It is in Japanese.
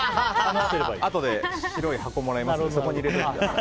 あとで白い箱をもらいますのでそこに入れておいてください。